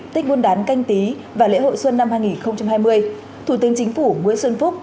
tết nguyên đán canh tí và lễ hội xuân năm hai nghìn hai mươi thủ tướng chính phủ nguyễn xuân phúc